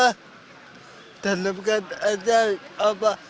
merdeka itu apa